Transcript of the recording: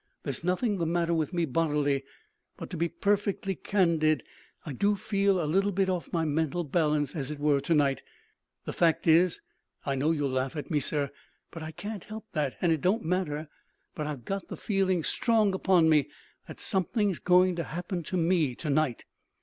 There's nothing the matter with me, bodily; but, to be perfectly candid, I do feel a little bit off my mental balance, as it were, to night. The fact is I know you'll laugh at me, sir, but I can't help that, and it don't matter, but I've got the feeling strong upon me that something's going to happen to me to night.